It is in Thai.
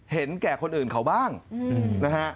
แก่คนอื่นเขาบ้างนะฮะ